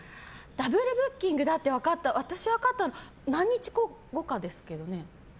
ダブルブッキングだと私が分かったのは何日後とかですけどね。